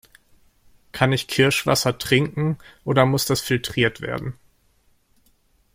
Kann ich Kirschwasser trinken oder muss das filtriert werden?